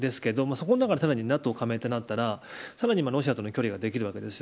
そこの中で、さらにＮＡＴＯ加盟となったらさらにロシアとの距離ができるわけです。